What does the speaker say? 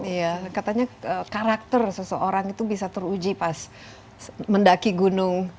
iya katanya karakter seseorang itu bisa teruji pas mendaki gunung